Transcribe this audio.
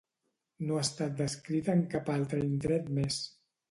No ha estat descrita en cap altre indret més.